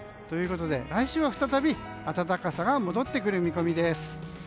ということで、来週は再び暖かさが戻ってくる見込みです。